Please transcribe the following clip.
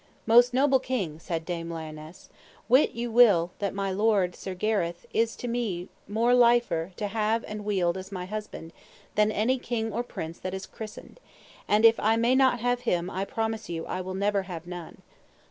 Most noble King, said Dame Lionesse, wit you well that my lord, Sir Gareth, is to me more liefer to have and wield as my husband, than any king or prince that is christened; and if I may not have him I promise you I will never have none.